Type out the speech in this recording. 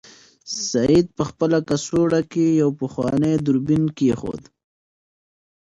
سعید په خپله کڅوړه کې یو پخوانی دوربین کېښود.